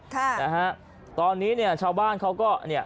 ค่ะนะฮะตอนนี้เนี่ยชาวบ้านเขาก็เนี่ย